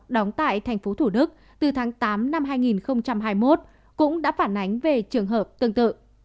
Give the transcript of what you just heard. đóng tại thành phố thủ đức từ tháng tám năm hai nghìn hai mươi một cũng đã phản ánh về trường hợp tương tự